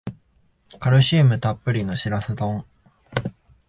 カルシウムたっぷりのシラス丼